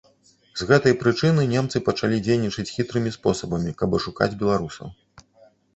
З гэтай прычыны немцы пачалі дзейнічаць хітрымі спосабамі, каб ашукаць беларусаў.